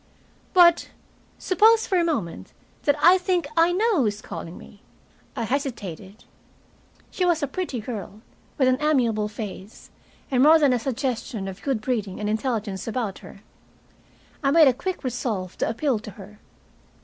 "But suppose for a moment that I think I know who is calling me?" I hesitated. She was a pretty girl, with an amiable face, and more than a suggestion of good breeding and intelligence about her. I made a quick resolve to appeal to her.